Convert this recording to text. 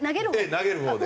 投げるほうで。